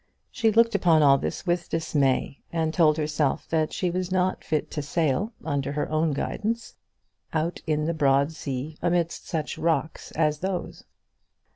She looked upon all this with dismay, and told herself that she was not fit to sail, under her own guidance, out in the broad sea, amidst such rocks as those.